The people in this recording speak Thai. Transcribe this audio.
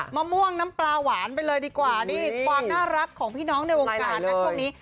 มะม่วงน้ำปลาหวานไปเลยดีกว่านี่ความน่ารักของพี่น้องในวงการนะช่วงนี้